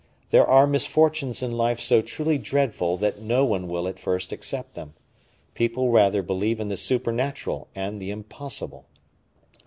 There are misfortunes in life so truly dreadful that no one will at first accept them; people rather believe in the supernatural and the impossible.